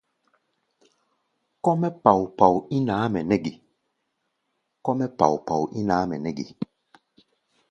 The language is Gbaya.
Kɔ́-mɛ́ pao-pao ín ǎmʼɛ nɛ́ ge?